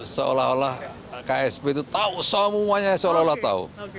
seolah olah ksp itu tahu semuanya seolah olah tahu